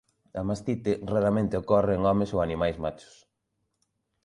A mastite raramente ocorre en homes ou animais machos.